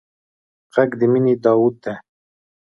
غږ د مینې داوود دی